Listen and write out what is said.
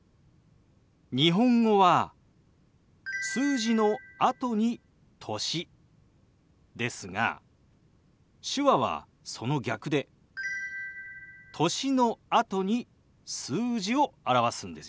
日本語は数字のあとに歳ですが手話はその逆で歳のあとに数字を表すんですよ。